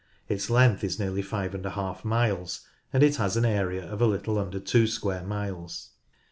Its length is nearly 5^ miles, and it has an area of a little under two square miles.